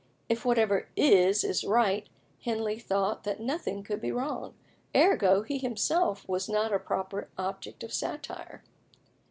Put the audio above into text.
'" If whatever is is right, Henley thought that nothing could be wrong; ergo, he himself was not a proper object of satire.